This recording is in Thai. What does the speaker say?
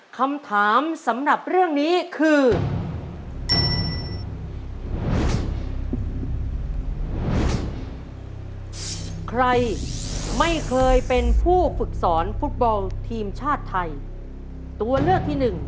คำถามสำหรับเรื่องนี้คือ